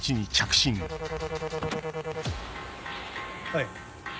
はい。